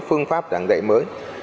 phương pháp giảng dạy mới